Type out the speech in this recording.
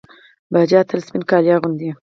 پاچا تل سپين کالي اغوندي .